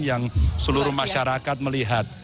yang seluruh masyarakat melihat